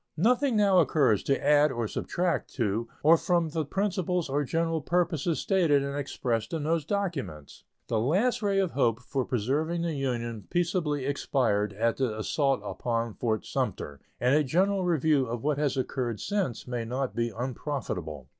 Nothing now occurs to add or subtract to or from the principles or general purposes stated and expressed in those documents. The last ray of hope for preserving the Union peaceably expired at the assault upon Fort Sumter, and a general review of what has occurred since may not be unprofitable.